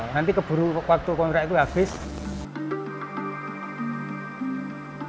nanti keburu waktu kontrak itu habis